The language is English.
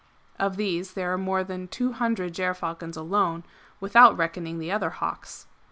Of these there are more than 200 gerfalcons alone, without reckoning the o:her hawks.